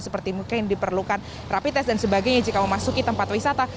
seperti mungkin diperlukan rapites dan sebagainya jika mau masuk ke tempat wisata